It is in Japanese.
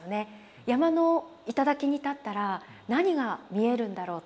山の頂に立ったら何が見えるんだろう